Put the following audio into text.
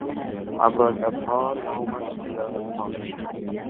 عبر البحر يؤم الأبحرا